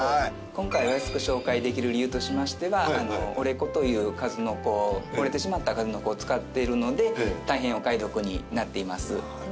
今回お安く紹介できる理由としましては折れ子という数の子折れてしまった数の子を使っているので大変お買い得になっています。